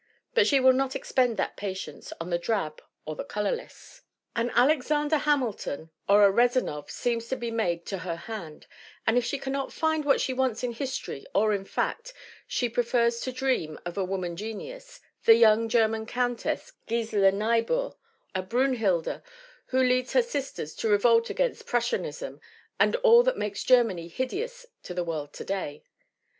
But she will not expend that patience on the drab or the colorless. "An Alexander Hamilton or a Rezanov seems to be made to her hand, and if she cannot find what she wants in history or in fact, she prefers to dream of a woman genius, the young German countess, Gisela Niebuhr, a Brunnhilde who leads her sisters to re volt against Prussianism and all that makes Germany hideous to the world to day.